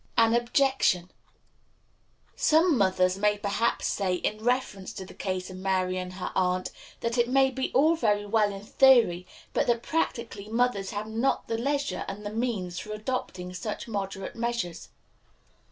An Objection. Some mother may perhaps say, in reference to the case of Mary and her aunt, that it may be all very well in theory, but that practically mothers have not the leisure and the means for adopting such moderate measures.